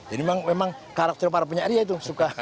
ini memang karakter para penyair ya itu